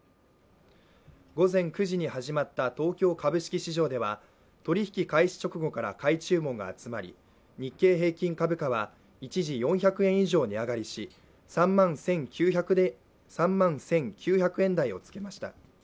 午前９時に始まった東京株式市場では取り引き開始直後から買い注文が集まり、日経平均株価は一時４００円以上値上がりし３万１９００円台をつけました。